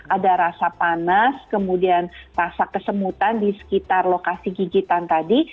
ada rasa panas kemudian rasa kesemutan di sekitar lokasi gigitan tadi